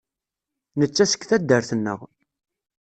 Netta seg taddart-nneɣ.